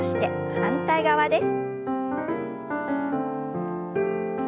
反対側です。